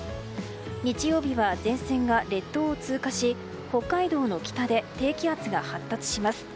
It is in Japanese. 日曜日は前線が列島を通過し北海道の北で低気圧が発達します。